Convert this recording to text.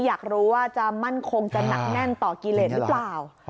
อยากรู้ว่าจะมั่นคงจะหนักแน่นต่อกิเลสหรือเปล่า